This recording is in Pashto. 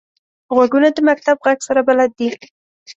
غوږونه د مکتب غږ سره بلد دي